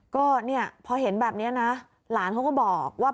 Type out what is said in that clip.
ก็เนี่ยพอเห็นแบบนี้นะหลานเขาก็บอกว่า